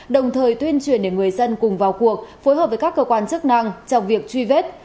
đồng thời tuyên truyền để người dân cùng vào cuộc phối hợp với các cơ quan chức năng trong việc truy vết